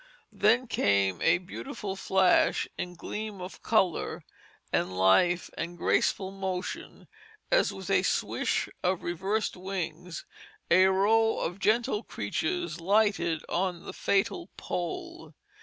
Then came a beautiful flash and gleam of color and life and graceful motion, as with a swish of reversed wings a row of gentle creatures lighted on the fatal pole.